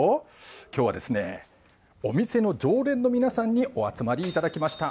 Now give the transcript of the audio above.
きょうはですね、お店の常連の皆さんにお集まりいただきました。